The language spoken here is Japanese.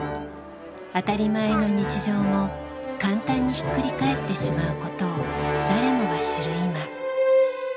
「当たり前の日常」も簡単にひっくり返ってしまうことを誰もが知る今。